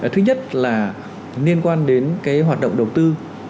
thứ nhất là liên quan đến hoạt động đầu tư